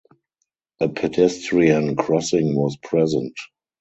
A pedestrian crossing was present.